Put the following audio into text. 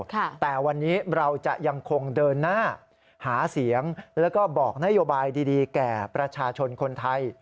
แต่วันนี้เราจะยังคงเดินหน้าหาเสียงแล้วก็บอกนโยบายดีแก่ประชาชนคนไทย